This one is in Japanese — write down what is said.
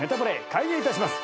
開演いたします。